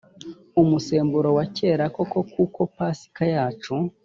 umusemburo wa kera koko kuko pasika yacu